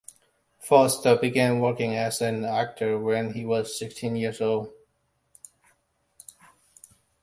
Foster began working as an actor when he was sixteen years old.